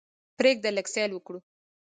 پریږده لږ سیل وکړو.